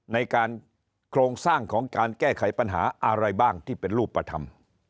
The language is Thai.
ในการโครงสร้างของการแก้ไขปัญหาอะไรบ้างที่เป็นรูปธรรม